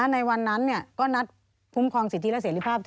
ในวันนั้นเนี่ยก็นัดภูมิความสิทธิและเสร็จภาพ